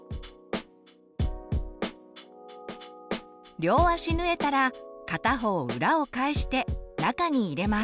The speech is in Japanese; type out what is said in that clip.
両足縫えたら片方裏を返して中に入れます。